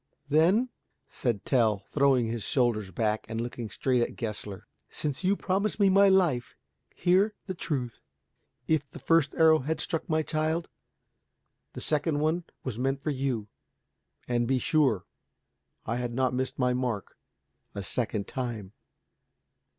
"Then," said Tell, throwing his shoulders back and looking straight at Gessler, "since you promise me my life, hear the truth, if that first arrow had struck my child, the second one was meant for you, and be sure I had not missed my mark a second time."